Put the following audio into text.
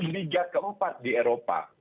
liga keempat di eropa